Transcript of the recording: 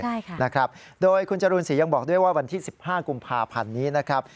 ใช่ค่ะนะครับโดยคุณจรูนศรียังบอกด้วยว่าวันที่สิบห้ากุมภาพันธ์นี้นะครับ